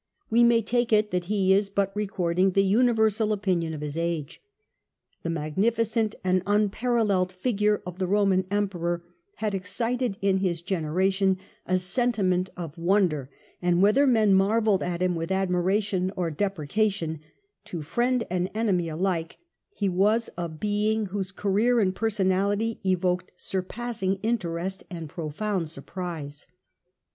We may take it that he is but recording the universal opinion of his age. The magnificent and unparalleled figure of the Roman Emperor had excited in his generation a senti ment of wonder, and whether men marvelled at him with admiration or deprecation, to friend and enemy alike he was a being whose career and personality evoked surpassing interest and profound surprise.